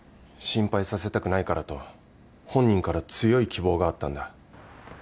心配させたくないからと本人から強い希望があったんだ。